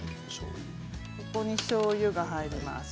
ここにしょうゆが入ります。